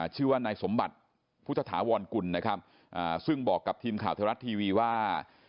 ชื่อว่านายสมบัติพุทธถาวรกุลนะครับซึ่งบอกกับทีมข่าวไทยรัฐทีวีว่า